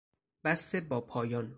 بسط با پایان